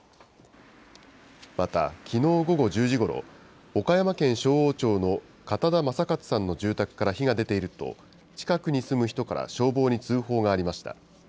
また、きのう午後１０時ごろ、岡山県勝央町の片田正勝さんの住宅から火が出ていると、近くに住む人から消防に通報がありました。